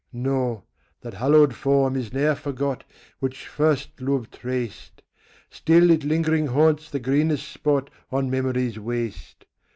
No, that hallowed form is ne'er forgot Which first love traced; Still it lingering haunts the greenest spot On memory's waste.